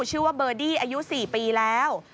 ชื่อว่าเบอร์ดี้อายุ๔ปีแล้ว